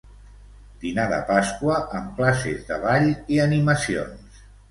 Dinar de Pasqua amb classes de ball i animacions.